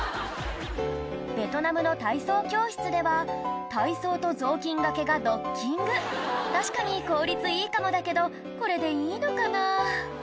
ベトナムの体操教室では体操と雑巾がけがドッキング確かに効率いいかもだけどこれでいいのかな？